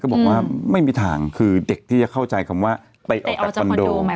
บอกว่าไม่มีทางคือเด็กที่จะเข้าใจคำว่าเตะออกจากคอนโด